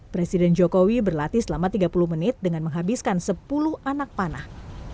presiden jokowi berlatih selama tiga puluh menit dengan menghabiskan sepuluh anak panah